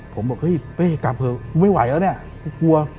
ผมบอกเฮ้ยเป้กลับเถอะไม่ไหวแล้วเนี่ยกลัว